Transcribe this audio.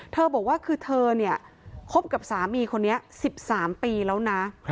บอกว่าคือเธอเนี่ยคบกับสามีคนนี้๑๓ปีแล้วนะ